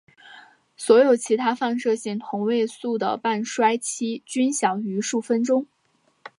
所有其他放射性同位素的半衰期均小于数分钟。